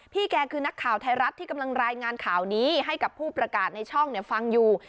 แกคือนักข่าวไทยรัฐที่กำลังรายงานข่าวนี้ให้กับผู้ประกาศในช่องฟังอยู่